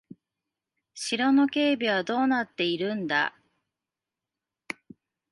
城の警備はどうなっているんだ。